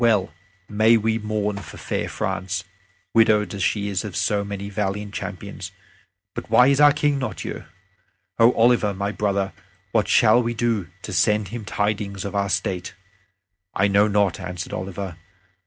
Well may we mourn for fair France, widowed as she is of so many valiant champions. But why is our King not here? O Oliver, my brother, what shall we do to send him tidings of our state?" "I know not," answered Oliver.